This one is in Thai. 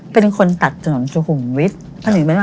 เป็นคนตัดถนนสุขุมวิทย์